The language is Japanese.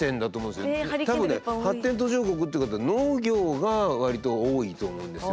多分ね発展途上国ってことは農業が割と多いと思うんですよ。